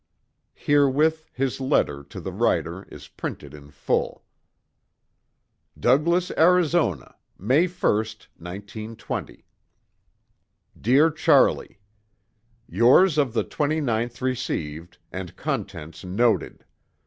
Herewith his letter to the writer is printed in full: "Douglas, Arizona, May 1st, 1920. Dear Charlie: Yours of the 29th received, and contents noted.